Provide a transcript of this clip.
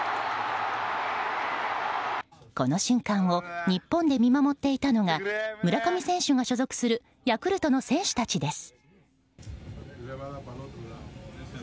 この瞬間を日本で見守っていたのが村上選手が所属するヤクルトの選手たちです。